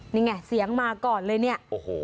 นี่ไงเสียงมาก่อนเลยเนี่ยโอ้โห